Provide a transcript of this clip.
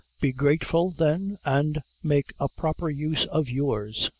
Be grateful, then, and make a proper use of yours.